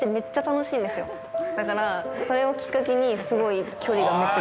だからそれをきっかけにすごい。